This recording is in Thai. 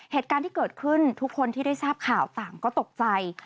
เหตุการณ์ที่เกิดขึ้นทุกคนที่ได้ทราบข่าวต่างก็ตกใจ